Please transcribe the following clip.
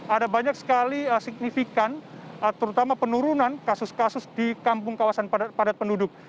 ada banyak sekali signifikan terutama penurunan kasus kasus di kampung kawasan padat penduduk